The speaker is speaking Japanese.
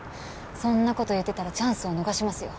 そんな事言ってたらチャンスを逃しますよ。